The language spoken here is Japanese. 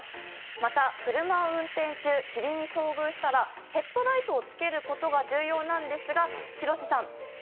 また、車を運転中霧に遭遇したらヘッドライトをつけることが重要なんですが廣瀬さん